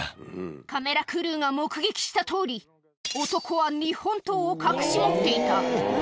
カメラクルーが目撃したとおり、男は日本刀を隠し持っていた。